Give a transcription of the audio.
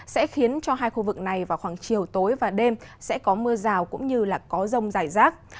sẽ khiến cho hai khu vực này vào khoảng chiều tối và đêm sẽ có mưa rào cũng như có rông dài rác